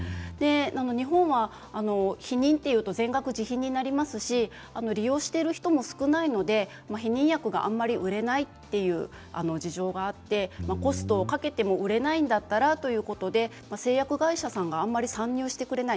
日本は避妊というと全額自費になりますし利用している人も少ないので避妊薬は、あまり売れないという事情があってコストをかけても売れないんだったら、ということで製薬会社さんがあまり参入してくれない。